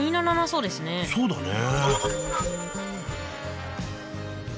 そうだね。